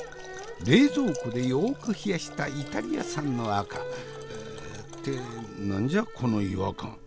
冷蔵庫でよく冷やしたイタリア産の赤って何じゃこの違和感。